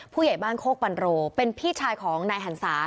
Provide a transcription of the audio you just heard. ผู้ใหญ่บ้านโคกปันโรเป็นพี่ชายของนายหันศา